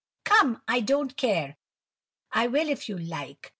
Come, I don't care; I will if you like.